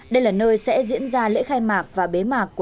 đây là nơi sẽ diễn ra lễ khai mạc